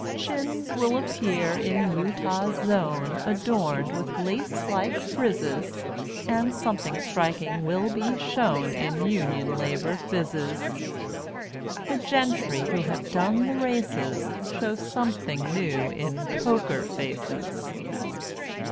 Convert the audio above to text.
Chins will appear in Utah's zone Adorned with lace like frizzes, And something striking will be shown In union labor phizzes. The gentry who have done the races Show something new in Poker Faces.